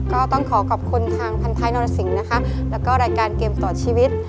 ก็ต้องขอขอบคุณทางพันท้ายนรสิงห์นะคะแล้วก็รายการเกมต่อชีวิต